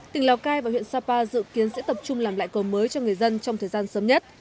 tỉnh lào cai và huyện sapa dự kiến sẽ tập trung làm lại cầu mới cho người dân trong thời gian sớm nhất